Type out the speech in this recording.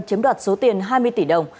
chiếm đoạt số tiền hai mươi tỷ đồng